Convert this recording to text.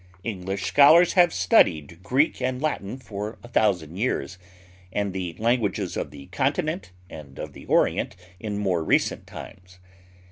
English scholars have studied Greek and Latin for a thousand years, and the languages of the Continent and of the Orient in more recent times.